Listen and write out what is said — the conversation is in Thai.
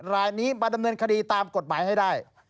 รายนี้มาดำเนินคดีตามกฎหมายให้ได้